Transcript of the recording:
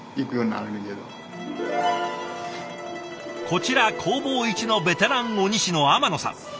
こちら工房一のベテラン鬼師の天野さん。